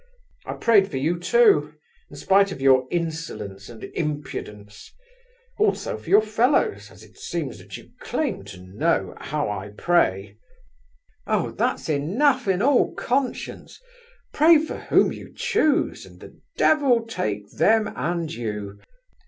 I prayed for you, too, in spite of your insolence and impudence, also for your fellows, as it seems that you claim to know how I pray..." "Oh! that's enough in all conscience! Pray for whom you choose, and the devil take them and you!